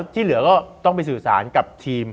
ที่เหลือก็ต้องไปสื่อสารกับทีม